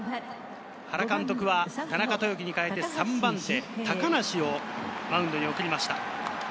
原監督は田中豊樹に代えて、３番手・高梨をマウンドに送りました。